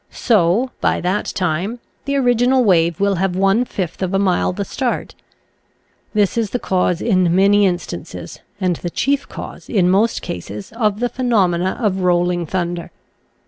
So, by that time, the original wave will have one fifth of a mile the start. This is the cause in many instances, and the chief cause in most cases, of the phenomena of rolling thunder.